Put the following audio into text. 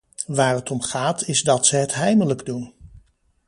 Waar het om gaat is dat ze het heimelijk doen.